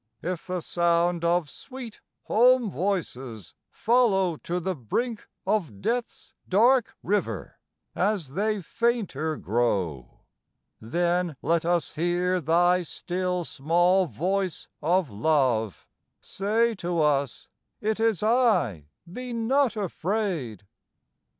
If the sound Of sweet home voices follow to the brink Of death's dark river, as they fainter grow, Then let us hear Thy still small voice of love; Say to us, "It is I be not afraid."